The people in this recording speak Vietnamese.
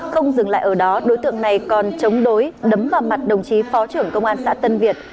không dừng lại ở đó đối tượng này còn chống đối đấm vào mặt đồng chí phó trưởng công an xã tân việt